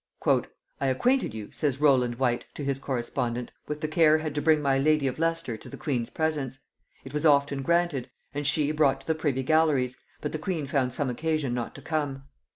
"I acquainted you," says Rowland Whyte to his correspondent, "with the care had to bring my lady of Leicester to the queen's presence. It was often granted, and she brought to the privy galleries, but the queen found some occasion not to come.